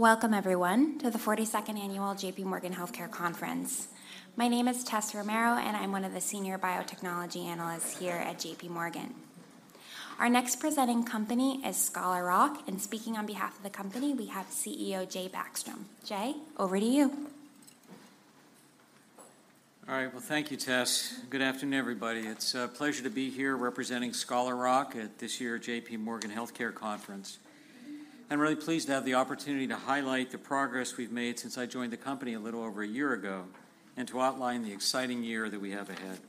Welcome, everyone to the 42nd annual JPMorgan Healthcare Conference. My name is Tess Romero, and I'm one of the Senior Biotechnology analysts here at JPMorgan. Our next presenting company is Scholar Rock, and speaking on behalf of the company, we have CEO Jay Backstrom. Jay, over to you. All right. Well, thank you, Tess. Good afternoon, everybody. It's a pleasure to be here representing Scholar Rock at this year's JPMorgan Healthcare Conference. I'm really pleased to have the opportunity to highlight the progress we've made since I joined the company a little over a year ago, and to outline the exciting year that we have ahead.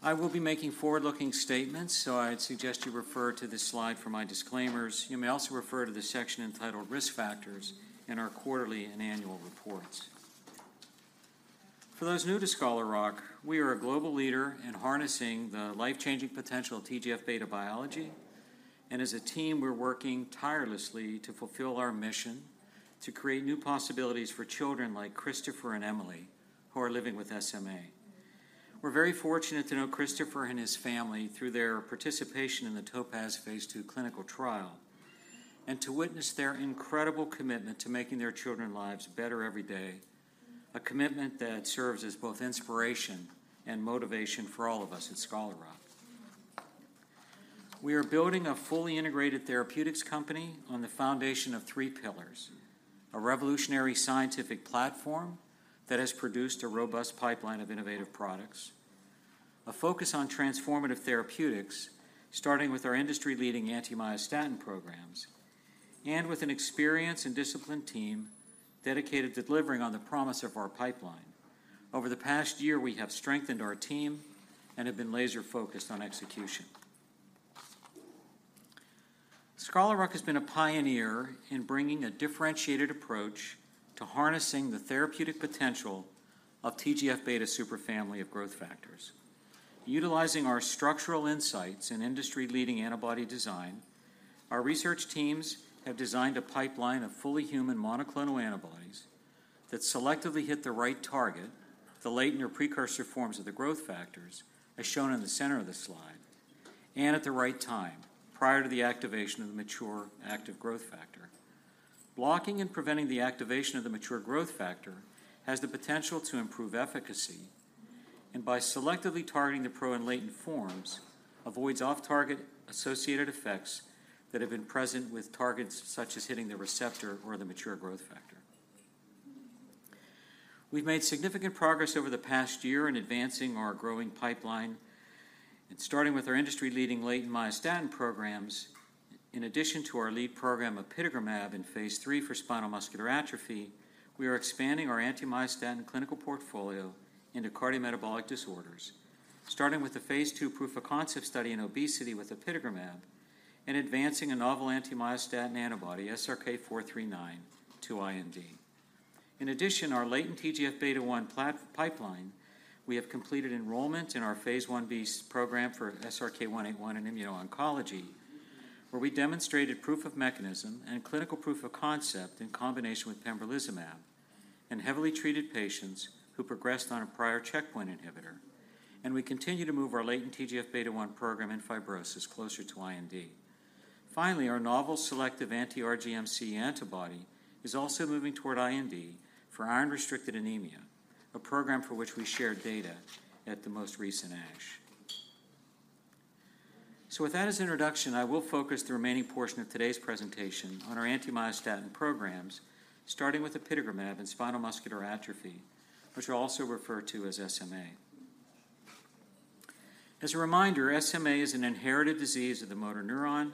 I will be making forward-looking statements, so I'd suggest you refer to this slide for my disclaimers. You may also refer to the section entitled Risk Factors in our quarterly and annual reports. For those new to Scholar Rock, we are a global leader in harnessing the life-changing potential of TGF-β biology, and as a team, we're working tirelessly to fulfill our mission to create new possibilities for children like Christopher and Emily, who are living with SMA. We're very fortunate to know Christopher and his family through their participation in the TOPAZ phase II clinical trial, and to witness their incredible commitment to making their children's lives better every day, a commitment that serves as both inspiration and motivation for all of us at Scholar Rock. We are building a fully integrated therapeutics company on the foundation of three pillars: a revolutionary scientific platform that has produced a robust pipeline of innovative products, a focus on transformative therapeutics, starting with our industry-leading anti-myostatin programs, and with an experienced and disciplined team dedicated to delivering on the promise of our pipeline. Over the past year, we have strengthened our team and have been laser-focused on execution. Scholar Rock has been a pioneer in bringing a differentiated approach to harnessing the therapeutic potential of TGF-β superfamily of growth factors. Utilizing our structural insights and industry-leading antibody design, our research teams have designed a pipeline of fully human monoclonal antibodies that selectively hit the right target, the latent or precursor forms of the growth factors, as shown in the center of this slide, and at the right time, prior to the activation of the mature active growth factor. Blocking and preventing the activation of the mature growth factor has the potential to improve efficacy, and by selectively targeting the pro and latent forms, avoids off-target associated effects that have been present with targets such as hitting the receptor or the mature growth factor. We've made significant progress over the past year in advancing our growing pipeline and starting with our industry-leading latent myostatin programs. In addition to our lead program of apitegromab in phase III for spinal muscular atrophy, we are expanding our anti-myostatin clinical portfolio into cardiometabolic disorders, starting with the phase II proof of concept study in obesity with apitegromab and advancing a novel anti-myostatin antibody, SRK-439, to IND. In addition, our latent TGF-β1 pipeline, we have completed enrollment in our phase Ib program for SRK-181 in immuno-oncology, where we demonstrated proof of mechanism and clinical proof of concept in combination with pembrolizumab in heavily treated patients who progressed on a prior checkpoint inhibitor, and we continue to move our latent TGF-β1 program in fibrosis closer to IND. Finally, our novel selective anti-RGMC antibody is also moving toward IND for iron-restricted anemia, a program for which we shared data at the most recent ASH. So with that as introduction, I will focus the remaining portion of today's presentation on our anti-myostatin programs, starting with apitegromab and spinal muscular atrophy, which are also referred to as SMA. As a reminder, SMA is an inherited disease of the motor neuron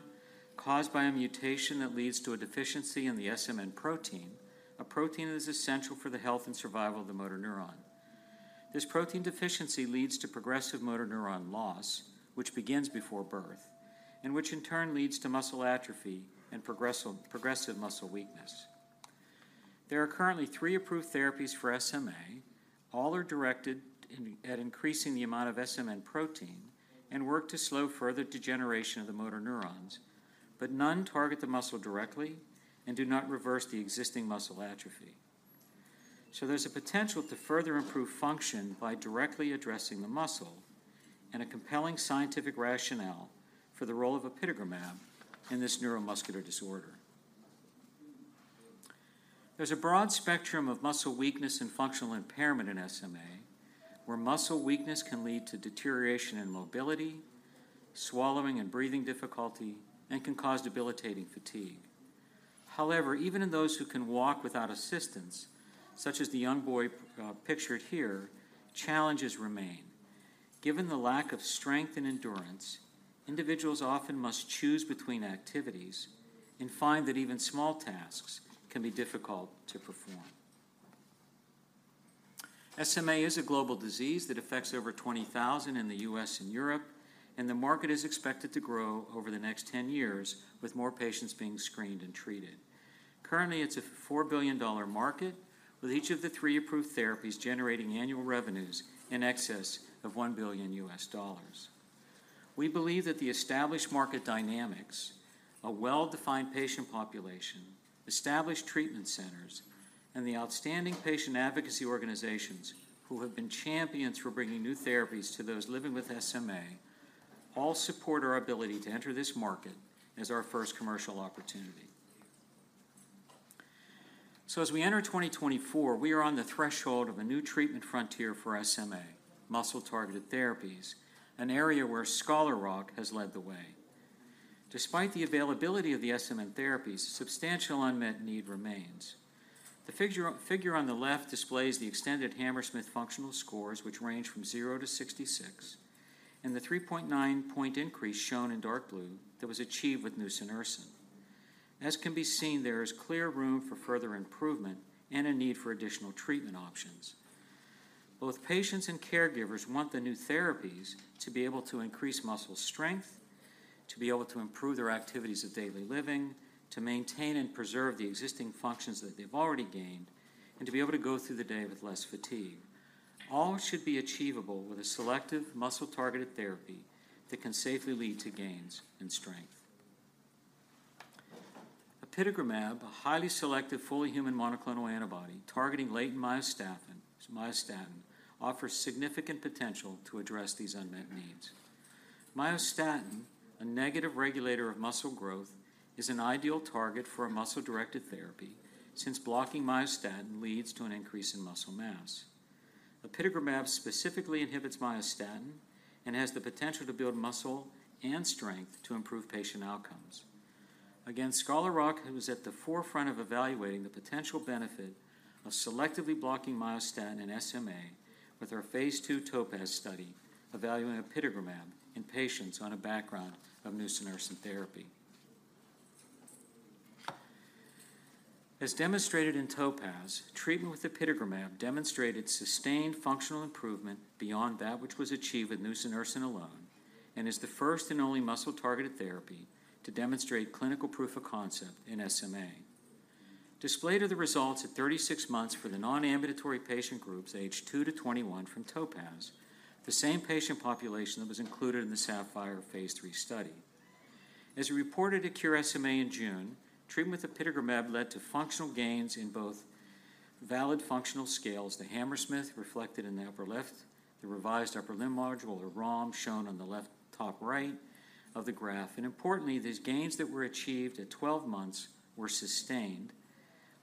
caused by a mutation that leads to a deficiency in the SMN protein, a protein that is essential for the health and survival of the motor neuron. This protein deficiency leads to progressive motor neuron loss, which begins before birth, and which in turn leads to muscle atrophy and progressive muscle weakness. There are currently three approved therapies for SMA. All are directed at increasing the amount of SMN protein and work to slow further degeneration of the motor neurons, but none target the muscle directly and do not reverse the existing muscle atrophy. So there's a potential to further improve function by directly addressing the muscle and a compelling scientific rationale for the role of apitegromab in this neuromuscular disorder. There's a broad spectrum of muscle weakness and functional impairment in SMA, where muscle weakness can lead to deterioration in mobility, swallowing, and breathing difficulty, and can cause debilitating fatigue. However, even in those who can walk without assistance, such as the young boy pictured here, challenges remain. Given the lack of strength and endurance, individuals often must choose between activities and find that even small tasks can be difficult to perform. SMA is a global disease that affects over 20,000 in the U.S. and Europe, and the market is expected to grow over the next 10 years, with more patients being screened and treated. Currently, it's a $4 billion market, with each of the three approved therapies generating annual revenues in excess of $1 billion. We believe that the established market dynamics, a well-defined patient population, established treatment centers, and the outstanding patient advocacy organizations who have been champions for bringing new therapies to those living with SMA, all support our ability to enter this market as our first commercial opportunity. So as we enter 2024, we are on the threshold of a new treatment frontier for SMA, muscle-targeted therapies, an area where Scholar Rock has led the way. Despite the availability of the SMA therapies, substantial unmet need remains. The figure on the left displays the extended Hammersmith functional scores, which range from zero to 66, and the 3.9-point increase shown in dark blue that was achieved with nusinersen. As can be seen, there is clear room for further improvement and a need for additional treatment options. Both patients and caregivers want the new therapies to be able to increase muscle strength, to be able to improve their activities of daily living, to maintain and preserve the existing functions that they've already gained, and to be able to go through the day with less fatigue. All should be achievable with a selective muscle-targeted therapy that can safely lead to gains in strength. Apitegromab, a highly selective, fully human monoclonal antibody targeting latent myostatin, offers significant potential to address these unmet needs. Myostatin, a negative regulator of muscle growth, is an ideal target for a muscle-directed therapy since blocking myostatin leads to an increase in muscle mass. Apitegromab specifically inhibits myostatin and has the potential to build muscle and strength to improve patient outcomes. Again, Scholar Rock, who is at the forefront of evaluating the potential benefit of selectively blocking myostatin in SMA with our phase II TOPAZ study, evaluating apitegromab in patients on a background of nusinersen therapy. As demonstrated in TOPAZ, treatment with apitegromab demonstrated sustained functional improvement beyond that which was achieved with nusinersen alone and is the first and only muscle-targeted therapy to demonstrate clinical proof of concept in SMA. Displayed are the results at 36 months for the non-ambulatory patient groups aged two to 21 from TOPAZ, the same patient population that was included in the SAPPHIRE phase III study. As we reported at Cure SMA in June, treatment with apitegromab led to functional gains in both valid functional scales: the Hammersmith, reflected in the upper left, the Revised Upper Limb Module, or RULM, shown on the top right of the graph. Importantly, these gains that were achieved at 12 months were sustained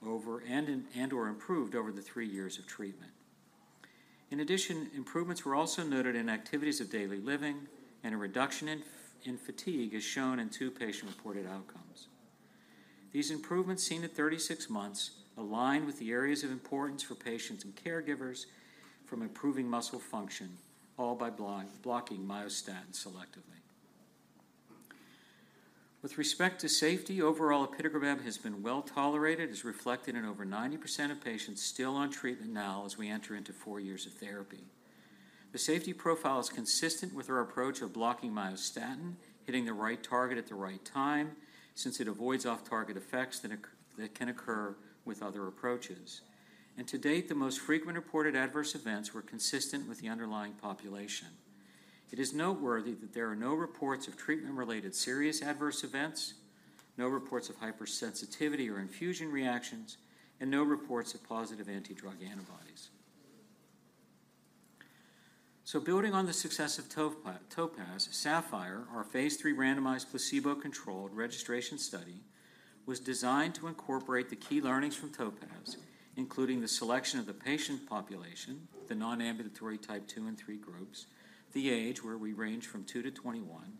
over, and/or improved over the three years of treatment. In addition, improvements were also noted in activities of daily living, and a reduction in fatigue is shown in two patient-reported outcomes. These improvements, seen at 36 months, align with the areas of importance for patients and caregivers from improving muscle function, all by blocking myostatin selectively. With respect to safety, overall, apitegromab has been well-tolerated, as reflected in over 90% of patients still on treatment now as we enter into four years of therapy. The safety profile is consistent with our approach of blocking myostatin, hitting the right target at the right time, since it avoids off-target effects that can occur with other approaches. To date, the most frequent reported adverse events were consistent with the underlying population. It is noteworthy that there are no reports of treatment-related serious adverse events, no reports of hypersensitivity or infusion reactions, and no reports of positive anti-drug antibodies. So building on the success of TOPAZ, SAPPHIRE, our phase III randomized placebo-controlled registration study, was designed to incorporate the key learnings from TOPAZ, including the selection of the patient population, the non-ambulatory Type 2 and Type 3 groups, the age, where we range from two to 21,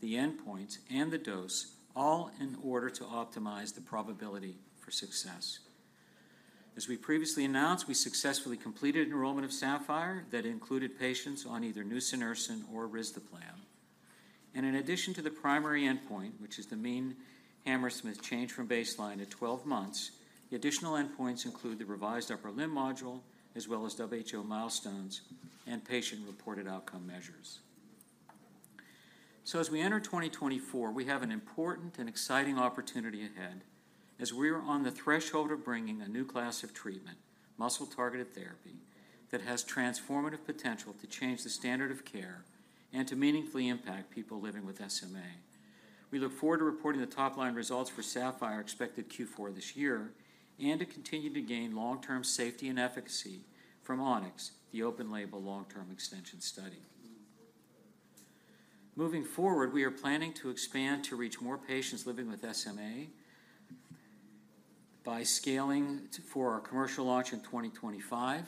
the endpoints, and the dose, all in order to optimize the probability for success. As we previously announced, we successfully completed enrollment of SAPPHIRE that included patients on either nusinersen or risdiplam. And in addition to the primary endpoint, which is the mean Hammersmith change from baseline at 12 months, the additional endpoints include the Revised Upper Limb Module, as well as WHO milestones and patient-reported outcome measures. So as we enter 2024, we have an important and exciting opportunity ahead, as we are on the threshold of bringing a new class of treatment, muscle-targeted therapy, that has transformative potential to change the standard of care and to meaningfully impact people living with SMA. We look forward to reporting the top-line results for SAPPHIRE, expected Q4 this year, and to continue to gain long-term safety and efficacy from ONYX, the open-label long-term extension study. Moving forward, we are planning to expand to reach more patients living with SMA by scaling for our commercial launch in 2025,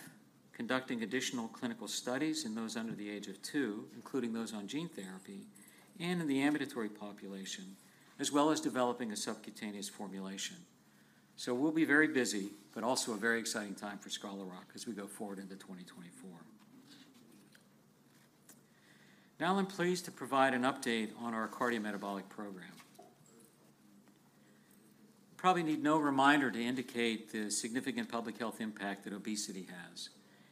conducting additional clinical studies in those under the age of two, including those on gene therapy, and in the ambulatory population, as well as developing a subcutaneous formulation. So we'll be very busy, but also a very exciting time for Scholar Rock as we go forward into 2024. Now, I'm pleased to provide an update on our cardiometabolic program. Probably need no reminder to indicate the significant public health impact that obesity has.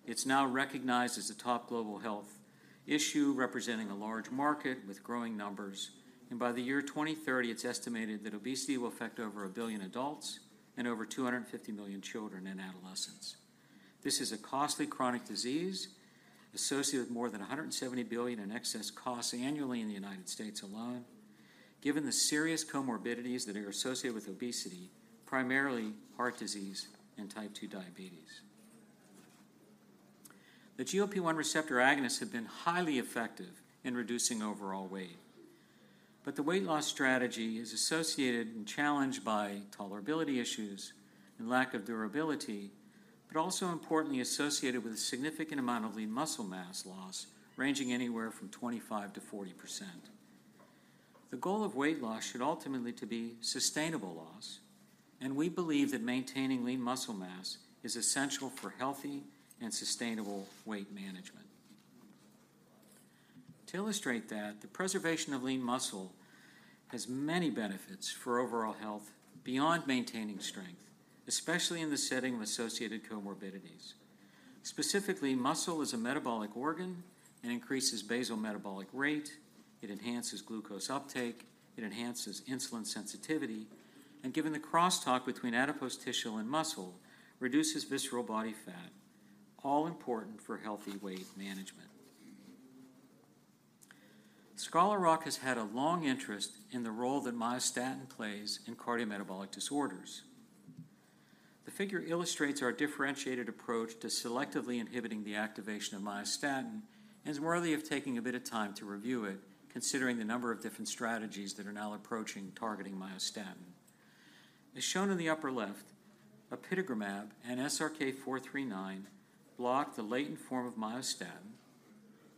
It's now recognized as the top global health issue, representing a large market with growing numbers, and by the year 2030, it's estimated that obesity will affect over one billion adults and over 250 million children and adolescents. This is a costly chronic disease associated with more than $170 billion in excess costs annually in the United States alone, given the serious comorbidities that are associated with obesity, primarily heart disease and Type 2 diabetes. The GLP-1 receptor agonists have been highly effective in reducing overall weight, but the weight loss strategy is associated and challenged by tolerability issues and lack of durability, but also importantly associated with a significant amount of lean muscle mass loss, ranging anywhere from 25%-40%. The goal of weight loss should ultimately to be sustainable loss, and we believe that maintaining lean muscle mass is essential for healthy and sustainable weight management. To illustrate that, the preservation of lean muscle has many benefits for overall health beyond maintaining strength, especially in the setting of associated comorbidities. Specifically, muscle is a metabolic organ and increases basal metabolic rate, it enhances glucose uptake, it enhances insulin sensitivity, and, given the crosstalk between adipose tissue and muscle, reduces visceral body fat, all important for healthy weight management. Scholar Rock has had a long interest in the role that myostatin plays in cardiometabolic disorders. The figure illustrates our differentiated approach to selectively inhibiting the activation of myostatin and is worthy of taking a bit of time to review it, considering the number of different strategies that are now approaching targeting myostatin. As shown in the upper left, apitegromab and SRK-439 block the latent form of myostatin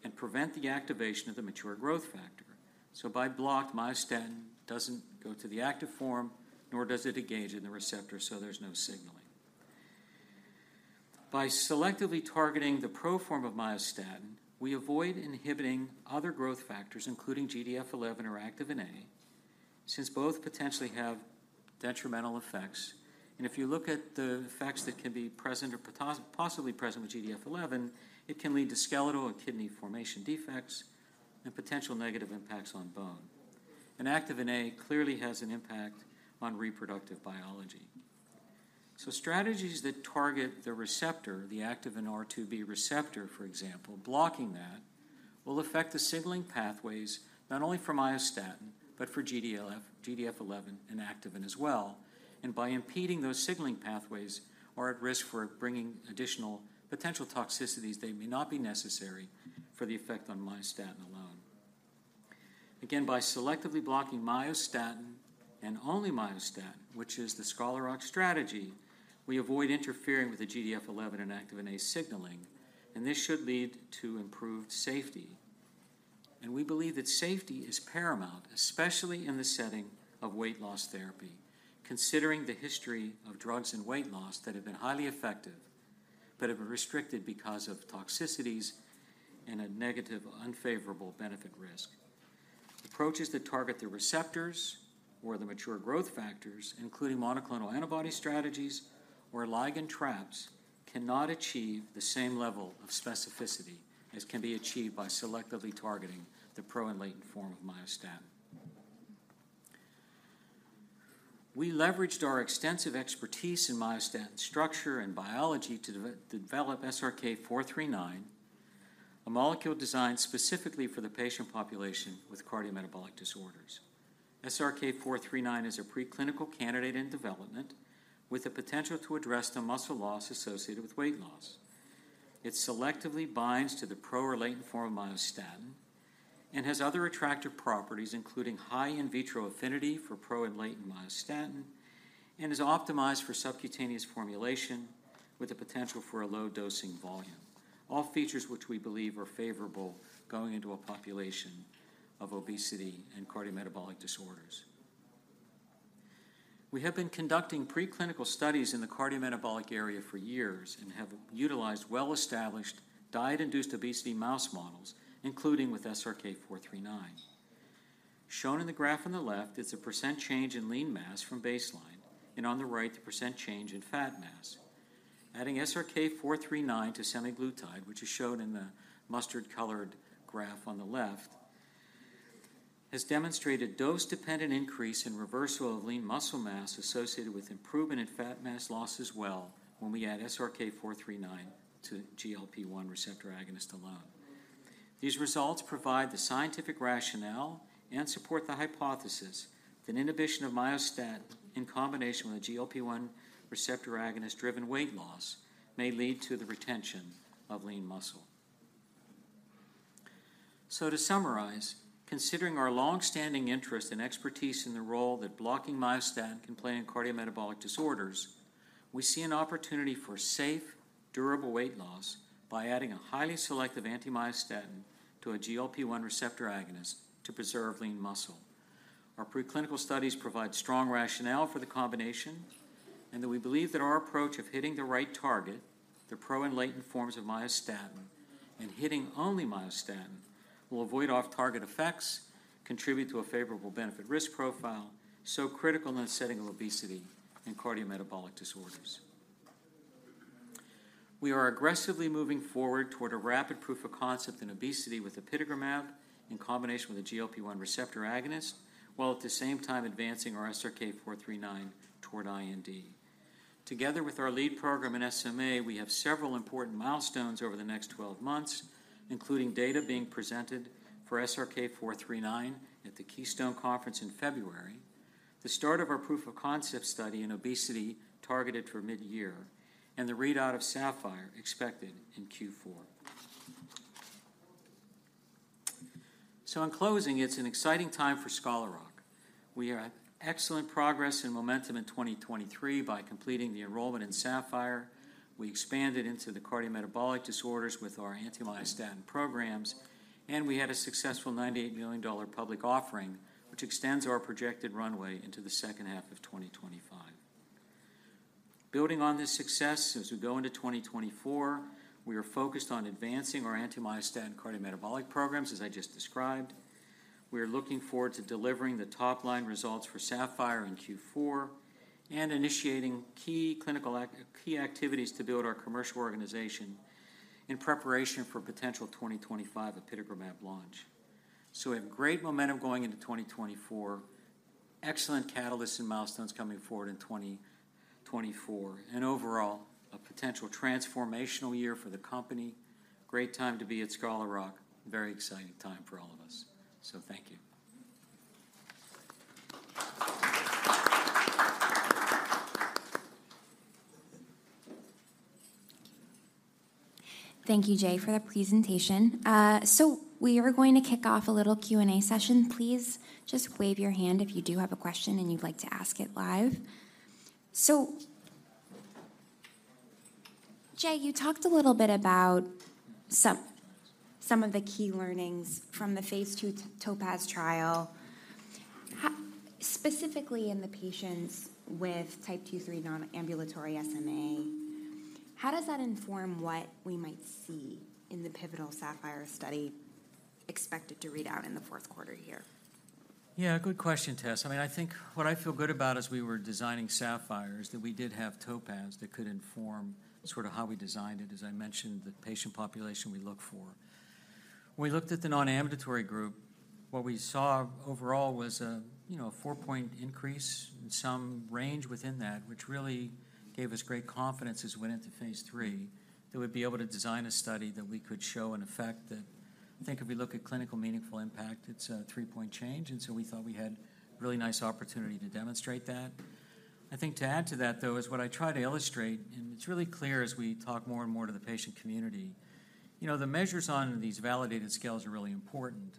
and prevent the activation of the mature growth factor. So by blocking, myostatin doesn't go to the active form, nor does it engage in the receptor, so there's no signaling. By selectively targeting the pro form of myostatin, we avoid inhibiting other growth factors, including GDF11 or Activin A, since both potentially have detrimental effects. If you look at the effects that can be present or possibly present with GDF11, it can lead to skeletal and kidney formation defects and potential negative impacts on bone. Activin A clearly has an impact on reproductive biology. Strategies that target the receptor, the ACVR2B receptor, for example, blocking that, will affect the signaling pathways, not only for myostatin, but for GDF11, and Activin A as well, and by impeding those signaling pathways, are at risk for bringing additional potential toxicities that may not be necessary for the effect on myostatin alone. Again, by selectively blocking myostatin and only myostatin, which is the Scholar Rock strategy, we avoid interfering with the GDF11 and Activin A signaling, and this should lead to improved safety. We believe that safety is paramount, especially in the setting of weight loss therapy, considering the history of drugs and weight loss that have been highly effective, but have been restricted because of toxicities and a negative, unfavorable benefit-risk. Approaches that target the receptors or the mature growth factors, including monoclonal antibody strategies or ligand traps, cannot achieve the same level of specificity as can be achieved by selectively targeting the pro and latent form of myostatin. We leveraged our extensive expertise in myostatin structure and biology to develop SRK-439, a molecule designed specifically for the patient population with cardiometabolic disorders. SRK-439 is a preclinical candidate in development with the potential to address the muscle loss associated with weight loss. It selectively binds to the pro or latent form of myostatin and has other attractive properties, including high in vitro affinity for pro- and latent myostatin, and is optimized for subcutaneous formulation with the potential for a low dosing volume. All features which we believe are favorable going into a population of obesity and cardiometabolic disorders. We have been conducting preclinical studies in the cardiometabolic area for years and have utilized well-established diet-induced obesity mouse models, including with SRK-439. Shown in the graph on the left is the percent change in lean mass from baseline, and on the right, the % change in fat mass. Adding SRK-439 to semaglutide, which is shown in the mustard-colored graph on the left, has demonstrated dose-dependent increase and reversal of lean muscle mass associated with improvement in fat mass loss as well when we add SRK-439 to GLP-1 receptor agonist alone. These results provide the scientific rationale and support the hypothesis that inhibition of myostatin in combination with a GLP-1 receptor agonist-driven weight loss may lead to the retention of lean muscle. So to summarize, considering our long-standing interest and expertise in the role that blocking myostatin can play in cardiometabolic disorders, we see an opportunity for safe, durable weight loss by adding a highly selective anti-myostatin to a GLP-1 receptor agonist to preserve lean muscle. Our preclinical studies provide strong rationale for the combination, and that we believe that our approach of hitting the right target, the pro and latent forms of myostatin, and hitting only myostatin, will avoid off-target effects, contribute to a favorable benefit risk profile, so critical in the setting of obesity and cardiometabolic disorders. We are aggressively moving forward toward a rapid proof of concept in obesity with apitegromab in combination with a GLP-1 receptor agonist, while at the same time advancing our SRK-439 toward IND. Together with our lead program in SMA, we have several important milestones over the next 12 months, including data being presented for SRK-439 at the Keystone Conference in February, the start of our proof-of-concept study in obesity targeted for mid-year, and the readout of SAPPHIRE, expected in Q4. So in closing, it's an exciting time for Scholar Rock. We are at excellent progress and momentum in 2023 by completing the enrollment in SAPPHIRE. We expanded into the cardiometabolic disorders with our anti-myostatin programs, and we had a successful $98 million public offering, which extends our projected runway into the H2 of 2025. Building on this success, as we go into 2024, we are focused on advancing our anti-myostatin cardiometabolic programs, as I just described. We are looking forward to delivering the top-line results for SAPPHIRE in Q4 and initiating key activities to build our commercial organization in preparation for potential 2025 apitegromab launch. So we have great momentum going into 2024, excellent catalysts and milestones coming forward in 2024, and overall, a potential transformational year for the company. Great time to be at Scholar Rock. Very exciting time for all of us. So thank you. Thank you, Jay, for the presentation. So we are going to kick off a little Q&A session. Please just wave your hand if you do have a question and you'd like to ask it live. So, Jay, you talked a little bit about some, some of the key learnings from the phase II TOPAZ trial. How specifically in the patients with Type 2/3 non-ambulatory SMA, how does that inform what we might see in the pivotal SAPPHIRE study expected to read out in the Q4 here? Yeah, good question, Tess. I mean, I think what I feel good about as we were designing SAPPHIRE is that we did have TOPAZ that could inform sort of how we designed it, as I mentioned, the patient population we look for. When we looked at the non-ambulatory group, what we saw overall was a, you know, a four-point increase and some range within that, which really gave us great confidence as we went into phase III, that we'd be able to design a study that we could show an effect that I think if we look at clinical meaningful impact, it's a three-point change, and so we thought we had a really nice opportunity to demonstrate that. I think to add to that, though, is what I try to illustrate, and it's really clear as we talk more and more to the patient community, you know, the measures on these validated scales are really important,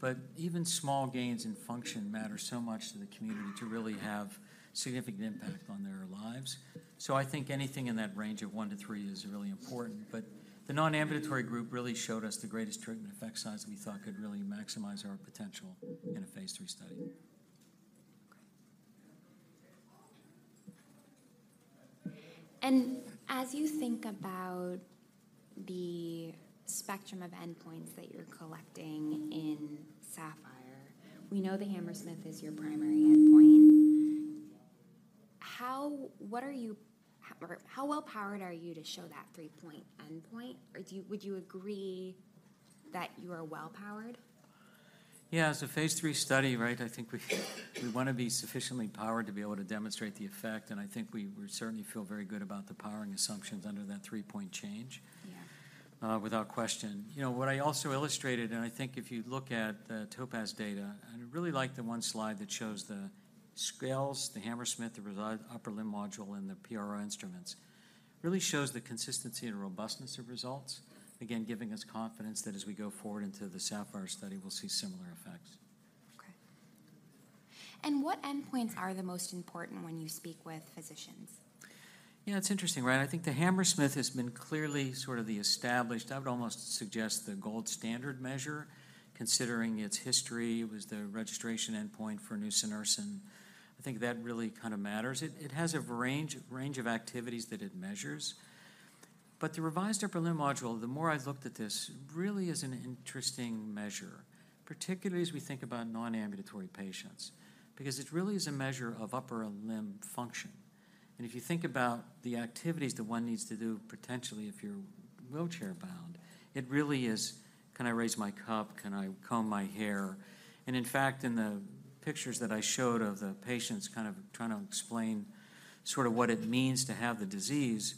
but even small gains in function matter so much to the community to really have significant impact on their lives. So I think anything in that range of one to three is really important. But the non-ambulatory group really showed us the greatest treatment effect size that we thought could really maximize our potential in a phase III study. Okay. And as you think about the spectrum of endpoints that you're collecting in SAPPHIRE, we know the Hammersmith is your primary endpoint. How, what are you, or how well-powered are you to show that three-point endpoint? Or do you- would you agree that you are well-powered? Yeah, as a phase III study, right, I think we want to be sufficiently powered to be able to demonstrate the effect, and I think we certainly feel very good about the powering assumptions under that three-point change. Yeah Without question. You know, what I also illustrated, and I think if you look at the TOPAZ data, and I really like the one slide that shows the scales, the Hammersmith, the Revised Upper Limb Module, and the PRO instruments. Really shows the consistency and robustness of results, again, giving us confidence that as we go forward into the SAPPHIRE study, we'll see similar effects. Okay. And what endpoints are the most important when you speak with physicians? Yeah, it's interesting, right? I think the Hammersmith has been clearly sort of the established, I would almost suggest the gold standard measure, considering its history. It was the registration endpoint for nusinersen. I think that really kind of matters. It has a range of activities that it measures. But the Revised Upper Limb Module, the more I looked at this, really is an interesting measure, particularly as we think about non-ambulatory patients, because it really is a measure of upper limb function. And if you think about the activities that one needs to do, potentially, if you're wheelchair-bound, it really is: Can I raise my cup? Can I comb my hair? In fact, in the pictures that I showed of the patients kind of trying to explain sort of what it means to have the disease,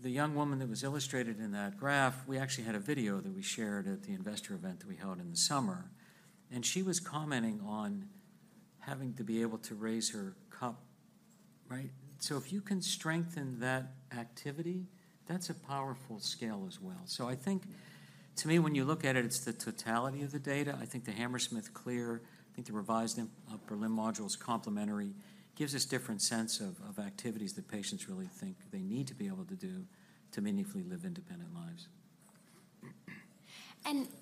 the young woman that was illustrated in that graph, we actually had a video that we shared at the investor event that we held in the summer, and she was commenting on having to be able to raise her cup, right? So if you can strengthen that activity, that's a powerful scale as well. So I think, to me, when you look at it, it's the totality of the data. I think the Hammersmith, clear. I think the Revised Upper Limb Module is complementary, gives us different sense of activities that patients really think they need to be able to do to meaningfully live independent lives.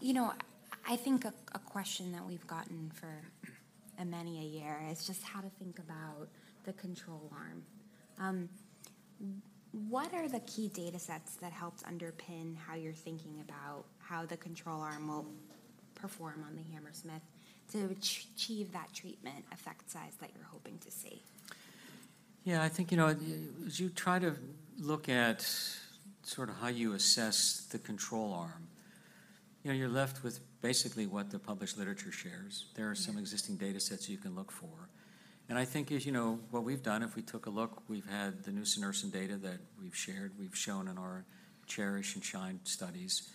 You know, I think a question that we've gotten for many a year is just how to think about the control arm. What are the key data sets that helped underpin how you're thinking about how the control arm will perform on the Hammersmith to achieve that treatment effect size that you're hoping to see? Yeah, I think, you know, as you try to look at sort of how you assess the control arm. You know, you're left with basically what the published literature shares. There are some existing datasets you can look for. And I think as you know, what we've done, if we took a look, we've had the nusinersen data that we've shared, we've shown in our CHERISH and SHINE studies.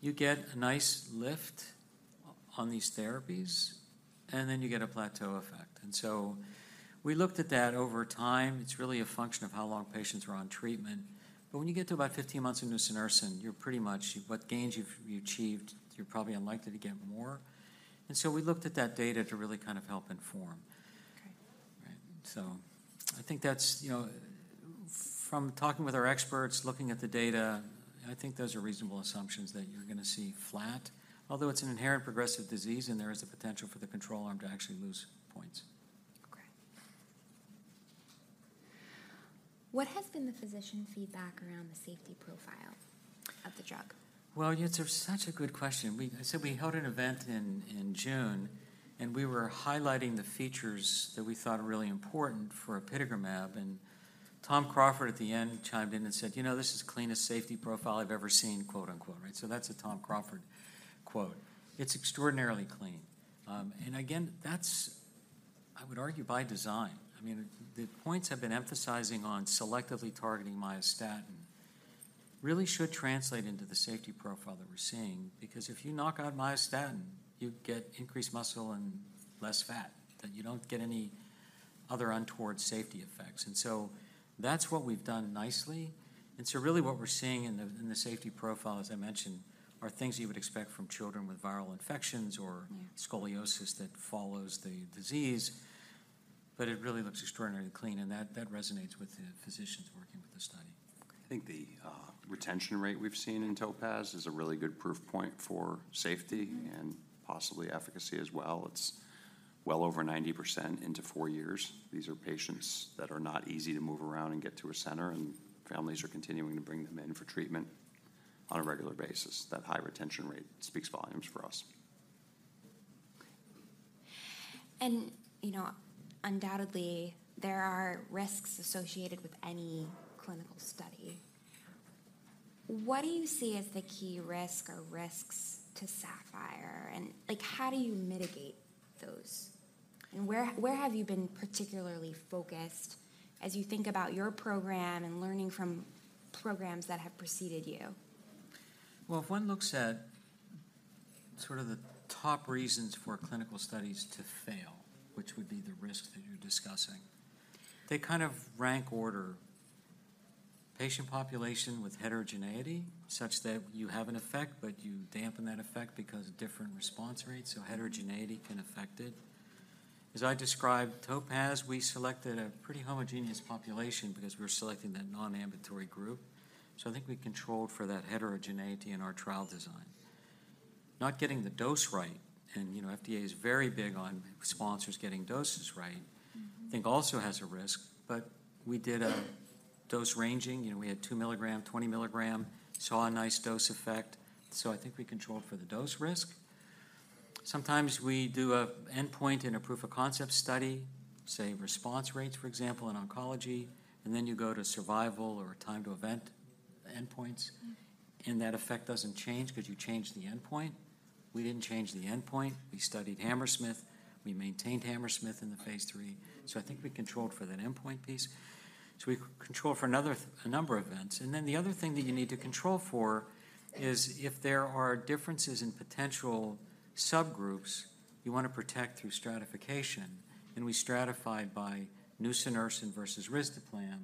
You get a nice lift on these therapies, and then you get a plateau effect. And so we looked at that over time. It's really a function of how long patients are on treatment. But when you get to about 15 months of nusinersen, you're pretty much what gains you've achieved, you're probably unlikely to get more. And so we looked at that data to really kind of help inform. Okay. Right? So I think that's, you know, from talking with our experts, looking at the data, I think those are reasonable assumptions that you're gonna see flat, although it's an inherent progressive disease, and there is the potential for the control arm to actually lose points. Okay. What has been the physician feedback around the safety profile of the drug? Well, it's such a good question. So we held an event in June, and we were highlighting the features that we thought are really important for apitegromab. And Tom Crawford at the end chimed in and said, "You know, this is the cleanest safety profile I've ever seen," quote, unquote. Right? So that's a Tom Crawford quote. It's extraordinarily clean. And again, that's, I would argue, by design. I mean, the points I've been emphasizing on selectively targeting myostatin really should translate into the safety profile that we're seeing because if you knock out myostatin, you get increased muscle and less fat, and you don't get any other untoward safety effects. And so that's what we've done nicely. And so really, what we're seeing in the safety profile, as I mentioned, are things you would expect from children with viral infections or. Yeah Scoliosis that follows the disease, but it really looks extraordinarily clean, and that, that resonates with the physicians working with the study. Okay. I think the retention rate we've seen in TOPAZ is a really good proof point for safety. Mm-hmm. and possibly efficacy as well. It's well over 90% into four years. These are patients that are not easy to move around and get to a center, and families are continuing to bring them in for treatment on a regular basis. That high retention rate speaks volumes for us. You know, undoubtedly, there are risks associated with any clinical study. What do you see as the key risk or risks to SAPPHIRE? And, like, how do you mitigate those, and where have you been particularly focused as you think about your program and learning from programs that have preceded you? Well, if one looks at sort of the top reasons for clinical studies to fail, which would be the risk that you're discussing, they kind of rank order: patient population with heterogeneity, such that you have an effect, but you dampen that effect because of different response rates, so heterogeneity can affect it. As I described TOPAZ, we selected a pretty homogeneous population because we were selecting that non-ambulatory group. So I think we controlled for that heterogeneity in our trial design. Not getting the dose right, and, you know, FDA is very big on sponsors getting doses right. I think also has a risk. But we did a dose ranging. You know, we had 2 milligram, 20 milligram, saw a nice dose effect, so I think we controlled for the dose risk. Sometimes we do an endpoint in a proof-of-concept study, say, response rates, for example, in oncology, and then you go to survival or time to event endpoints. Mm-hmm. That effect doesn't change because you changed the endpoint. We didn't change the endpoint. We studied Hammersmith. We maintained Hammersmith in the phase III, so I think we controlled for that endpoint piece. So we controlled for another, a number of events. And then the other thing that you need to control for is if there are differences in potential subgroups you want to protect through stratification, and we stratified by nusinersen versus risdiplam.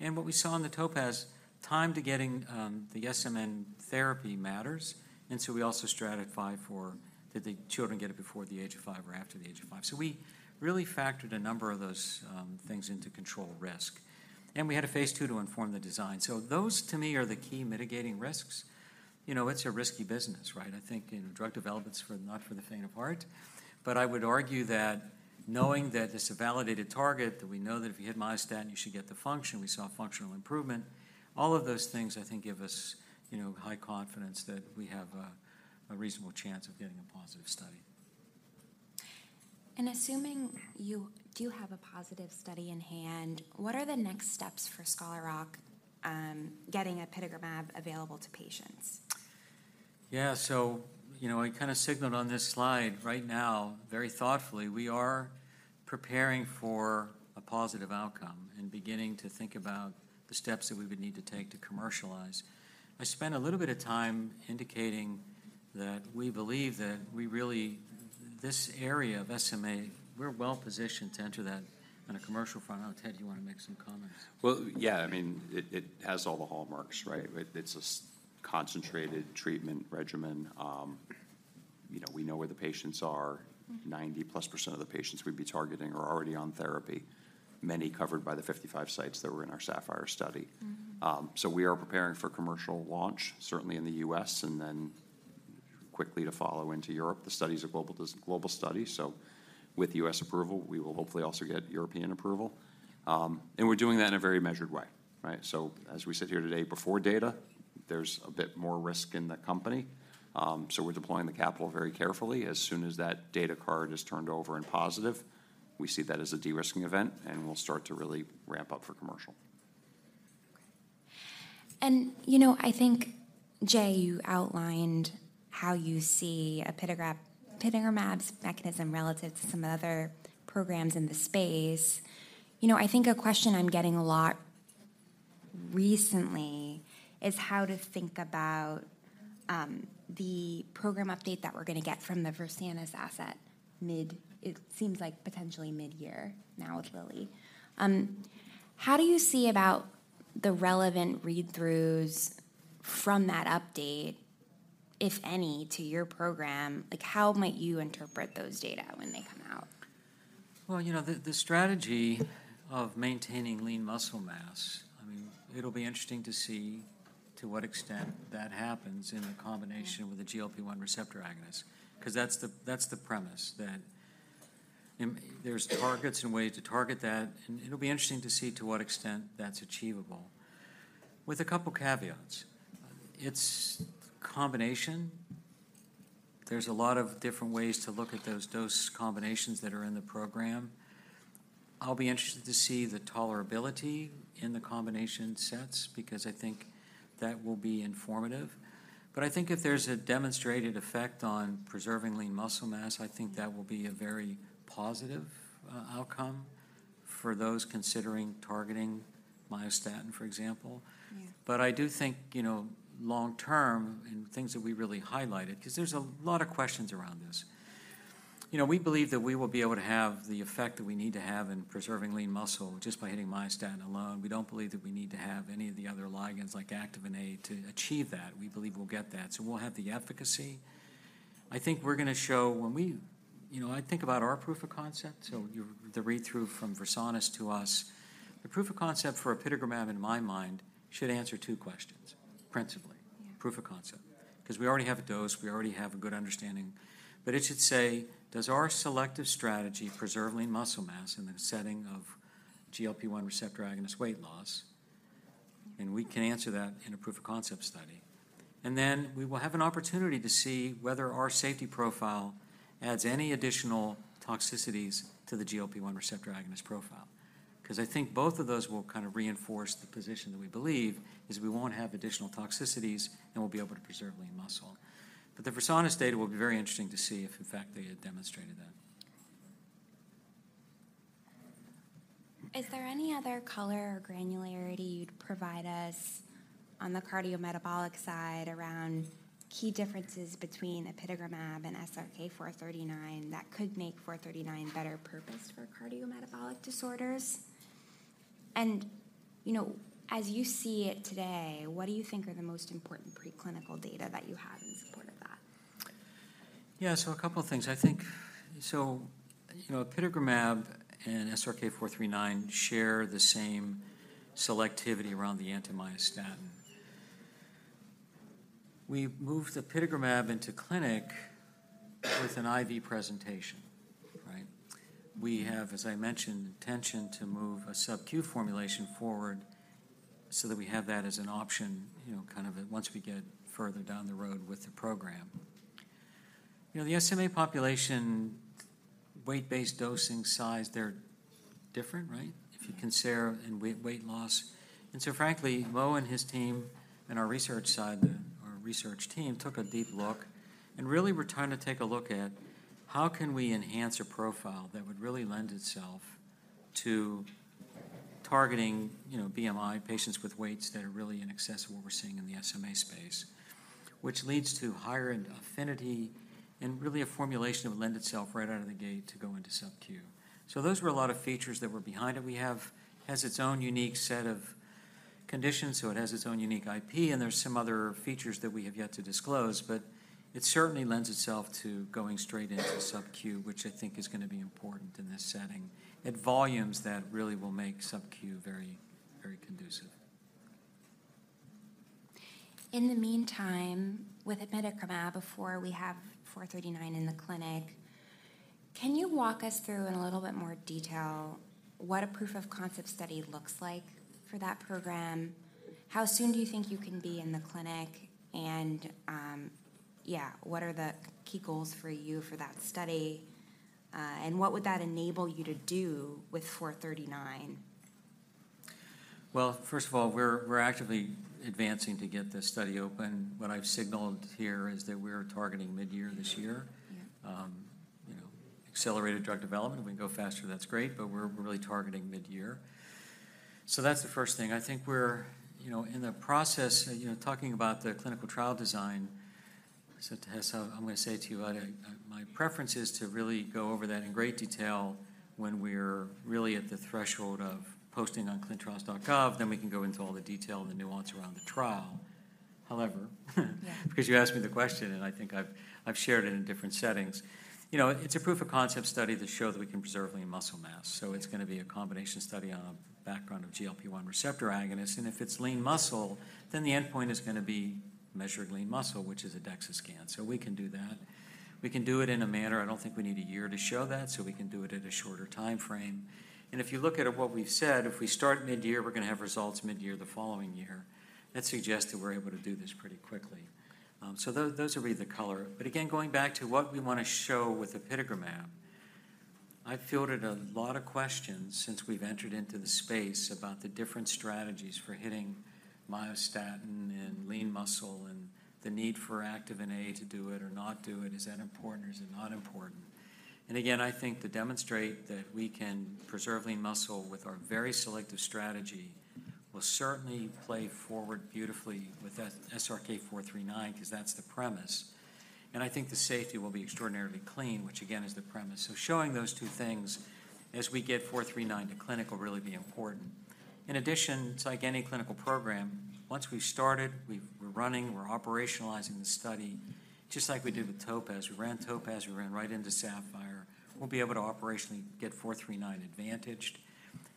And what we saw in the TOPAZ, time to getting, the SMN therapy matters, and so we also stratified for, did the children get it before the age of five or after the age of five? So we really factored a number of those, things into control risk. And we had a phase II to inform the design. So those, to me, are the key mitigating risks. You know, it's a risky business, right? I think, you know, drug development's for, not for the faint of heart. But I would argue that knowing that it's a validated target, that we know that if you hit myostatin, you should get the function. We saw functional improvement. All of those things, I think, give us, you know, high confidence that we have a, a reasonable chance of getting a positive study. Assuming you do have a positive study in hand, what are the next steps for Scholar Rock, getting apitegromab available to patients? Yeah. So you know, I kind of signaled on this slide right now, very thoughtfully, we are preparing for a positive outcome and beginning to think about the steps that we would need to take to commercialize. I spent a little bit of time indicating that we believe that we really, this area of SMA, we're well-positioned to enter that on a commercial front. I don't know, Ted, you want to make some comments? Well, yeah. I mean, it, it has all the hallmarks, right? It, it's a concentrated treatment regimen. You know, we know where the patients are. Mm-hmm. 90%+ of the patients we'd be targeting are already on therapy, many covered by the 55 sites that were in our SAPPHIRE study. Mm-hmm. So we are preparing for commercial launch, certainly in the U.S., and then quickly to follow into Europe. The study is a global study, so with U.S. approval, we will hopefully also get European approval. And we're doing that in a very measured way, right? So as we sit here today before data, there's a bit more risk in the company. So we're deploying the capital very carefully. As soon as that data card is turned over and positive, we see that as a de-risking event, and we'll start to really ramp up for commercial. You know, I think, Jay, you outlined how you see apitegromab's mechanism relative to some other programs in the space. You know, I think a question I'm getting a lot recently is how to think about the program update that we're gonna get from the Versanis asset mid- it seems like potentially mid-year now with Lilly. How do you see about the relevant read-throughs from that update, if any, to your program? Like, how might you interpret those data when they come out? Well, you know, the strategy of maintaining lean muscle mass, I mean, it'll be interesting to see to what extent that happens in the combination with the GLP-1 receptor agonist, 'cause that's the, that's the premise, that there's targets and ways to target that, and it'll be interesting to see to what extent that's achievable, with a couple caveats. It's combination. There's a lot of different ways to look at those dose combinations that are in the program. I'll be interested to see the tolerability in the combination sets because I think that will be informative. But I think if there's a demonstrated effect on preserving lean muscle mass, I think that will be a very positive outcome for those considering targeting myostatin, for example. Yeah. But I do think, you know, long term, and things that we really highlighted, 'cause there's a lot of questions around this. You know, we believe that we will be able to have the effect that we need to have in preserving lean muscle just by hitting myostatin alone. We don't believe that we need to have any of the other ligands, like Activin A, to achieve that. We believe we'll get that. So we'll have the efficacy. I think we're gonna show when we-- You know, I think about our proof of concept, so you're-- the read-through from Versanis to us. The proof of concept for apitegromab, in my mind, should answer two questions, principally. Yeah. Proof of concept. 'Cause we already have a dose, we already have a good understanding. But it should say: Does our selective strategy preserve lean muscle mass in the setting of GLP-1 receptor agonist weight loss? And we can answer that in a proof-of-concept study. And then, we will have an opportunity to see whether our safety profile adds any additional toxicities to the GLP-1 receptor agonist profile. 'Cause I think both of those will kind of reinforce the position that we believe is we won't have additional toxicities, and we'll be able to preserve lean muscle. But the Versanis data will be very interesting to see if, in fact, they had demonstrated that. Is there any other color or granularity you'd provide us on the cardiometabolic side around key differences between apitegromab and SRK-439 that could make 439 better purposed for cardiometabolic disorders? And, you know, as you see it today, what do you think are the most important preclinical data that you have in support of that? Yeah, so a couple things. So, you know, apitegromab and SRK-439 share the same selectivity around the anti-myostatin. We moved the apitegromab into clinic with an IV presentation, right? We have, as I mentioned, intention to move a sub-Q formulation forward so that we have that as an option, you know, kind of once we get further down the road with the program. You know, the SMA population, weight-based dosing, size, they're different, right? If you consider in weight, weight loss. And so, frankly, Mo and his team and our research side, our research team, took a deep look and really were trying to take a look at: How can we enhance a profile that would really lend itself to targeting, you know, BMI, patients with weights that are really in excess of what we're seeing in the SMA space? Which leads to higher affinity and really a formulation that would lend itself right out of the gate to go into sub-Q. So those were a lot of features that were behind it. It has its own unique set of conditions, so it has its own unique IP, and there's some other features that we have yet to disclose. But it certainly lends itself to going straight into sub-Q, which I think is gonna be important in this setting, at volumes that really will make sub-Q very, very conducive. In the meantime, with apitegromab, before we have SRK-439 in the clinic, can you walk us through, in a little bit more detail, what a proof of concept study looks like for that program? How soon do you think you can be in the clinic, and, yeah, what are the key goals for you for that study, and what would that enable you to do with SRK-439? Well, first of all, we're actively advancing to get this study open. What I've signaled here is that we're targeting mid-year this year. Yeah. You know, accelerated drug development. If we can go faster, that's great, but we're really targeting mid-year. So that's the first thing. I think we're, you know, in the process, you know, talking about the clinical trial design, so, Tess, I'm gonna say to you, I, my preference is to really go over that in great detail when we're really at the threshold of posting on ClinicalTrials.gov. Then we can go into all the detail and the nuance around the trial. However, Yeah Because you asked me the question, and I think I've shared it in different settings. You know, it's a proof of concept study to show that we can preserve lean muscle mass, so it's gonna be a combination study on a background of GLP-1 receptor agonist. And if it's lean muscle, then the endpoint is gonna be measured lean muscle, which is a DEXA scan. So we can do that. We can do it in a manner, I don't think we need a year to show that, so we can do it at a shorter timeframe. And if you look at it, what we've said, if we start mid-year, we're gonna have results mid-year the following year. That suggests that we're able to do this pretty quickly. So those would be the color. But again, going back to what we want to show with apitegromab. I've fielded a lot of questions since we've entered into the space about the different strategies for hitting myostatin and lean muscle, and the need for Activin A to do it or not do it. Is that important, or is it not important? And again, I think to demonstrate that we can preserve lean muscle with our very selective strategy will certainly play forward beautifully with that SRK-439, 'cause that's the premise. And I think the safety will be extraordinarily clean, which again, is the premise. So showing those two things as we get 439 to clinical will really be important. In addition, it's like any clinical program, once we've started, we're running, we're operationalizing the study, just like we did with TOPAZ. We ran TOPAZ, we ran right into SAPPHIRE. We'll be able to operationally get SRK-439 advantaged,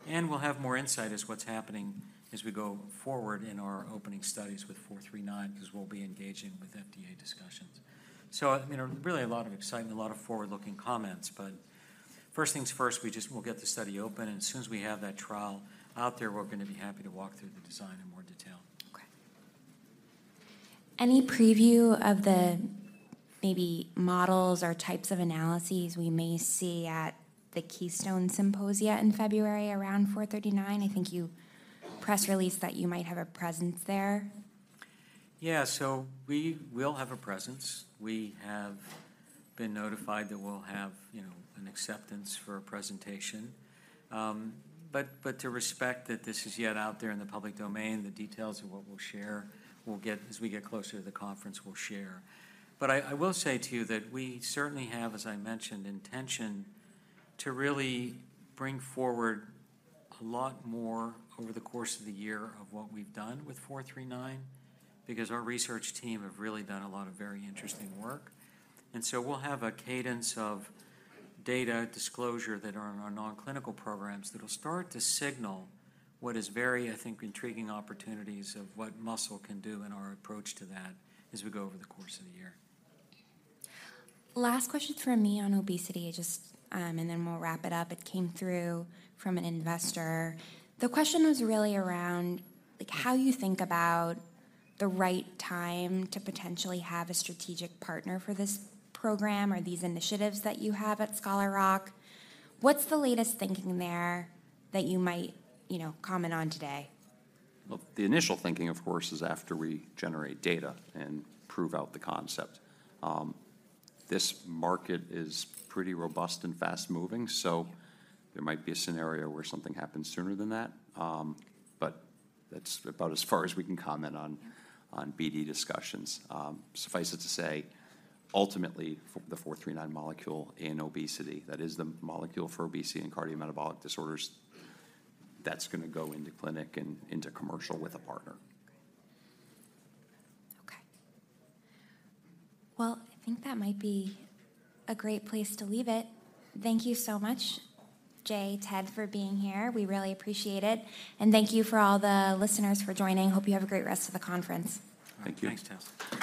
and we'll have more insight as to what's happening as we go forward in our ongoing studies with SRK-439, 'cause we'll be engaging with FDA discussions. So, I mean, really a lot of excitement, a lot of forward-looking comments. But first things first, we just—we'll get the study open, and as soon as we have that trial out there, we're gonna be happy to walk through the design in more detail. Okay. Any preview of the maybe models or types of analyses we may see at the Keystone Symposia in February around SRK-439? I think you press-released that you might have a presence there. Yeah. So we will have a presence. We have been notified that we'll have, you know, an acceptance for a presentation. But to respect that this is yet out there in the public domain, the details of what we'll share, we'll get as we get closer to the conference, we'll share. But I will say to you that we certainly have, as I mentioned, intention to really bring forward a lot more over the course of the year of what we've done with SRK-439, because our research team have really done a lot of very interesting work. And so we'll have a cadence of data disclosure that are in our non-clinical programs that'll start to signal what is very, I think, intriguing opportunities of what muscle can do and our approach to that as we go over the course of the year. Last question from me on obesity, just, and then we'll wrap it up. It came through from an investor. The question was really around, like, how you think about the right time to potentially have a strategic partner for this program or these initiatives that you have at Scholar Rock. What's the latest thinking there that you might, you know, comment on today? Well, the initial thinking, of course, is after we generate data and prove out the concept. This market is pretty robust and fast-moving, so. Yeah There might be a scenario where something happens sooner than that. But that's about as far as we can comment on, on BD discussions. Suffice it to say, ultimately, the 439 molecule in obesity, that is the molecule for obesity and cardiometabolic disorders, that's gonna go into clinic and into commercial with a partner. Okay. Well, I think that might be a great place to leave it. Thank you so much, Jay, Ted, for being here. We really appreciate it. And thank you for all the listeners for joining. Hope you have a great rest of the conference. Thank you. Thanks, Tess.